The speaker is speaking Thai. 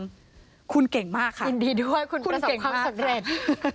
คุณเก่งมากค่ะคุณเก่งมากค่ะยินดีด้วยคุณประสบความสำเร็จ